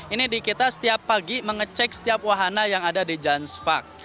ini di kita setiap pagi mengecek setiap wahana yang ada di jans park